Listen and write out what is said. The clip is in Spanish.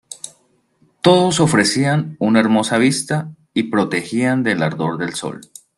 Todos ofrecían una hermosa vista y protegían del ardor del sol.